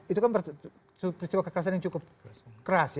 itu kan peristiwa kekerasan yang cukup keras